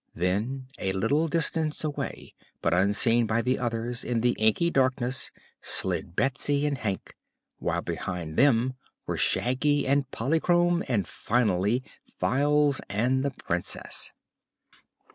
Then, a little distance away, but unseen by the others in the inky darkness, slid Betsy and Hank, while behind them were Shaggy and Polychrome and finally Files and the Princess.